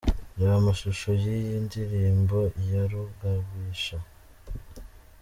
Reba amashusho y'iyi ndirimbo ya Rugabisha.